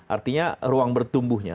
artinya ruang bertumbuhnya